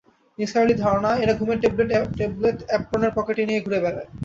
নিসার আলির ধারণা এরা ঘুমের ট্যাবলেট অ্যাপ্রনের পকেটে নিয়ে ঘুরে বেড়ায়।